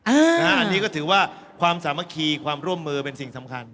อันนี้ก็ถือว่าความสามัคคีความร่วมมือเป็นสิ่งสำคัญ